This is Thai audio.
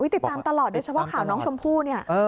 ติดตามตลอดโดยเฉพาะข่าวน้องชมพู่เนี่ย